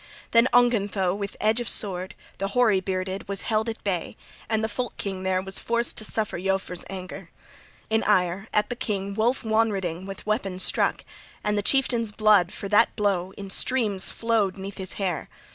{39a} Then Ongentheow with edge of sword, the hoary bearded, was held at bay, and the folk king there was forced to suffer Eofor's anger. In ire, at the king Wulf Wonreding with weapon struck; and the chieftain's blood, for that blow, in streams flowed 'neath his hair.